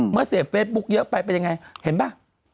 เมื่อเสพเฟซบุ๊กเยอะไปเป็นอย่างไรเห็นไหม